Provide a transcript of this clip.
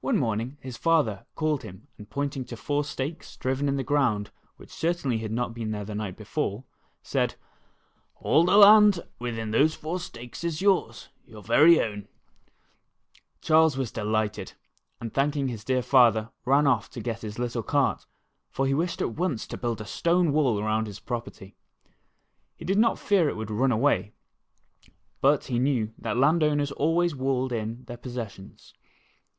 One morning his father called him and pointing to four stakes driven in the ground which certainly had not been there the night before, said : ''AH the land within those four stakes is yours, your ver\ o^^Tl.*' Charles was delighted, and thanking his dear father ran off to get his little cart, for he wished at once to build a stone wall about his propert} . He did not fear it would run awav. but he knew 2 A Quick Running Squash. that land owners always walled in their posses sions.